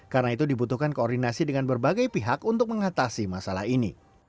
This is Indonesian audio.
karena itu dibutuhkan koordinasi dengan berbagai pihak untuk mengatasi masalah ini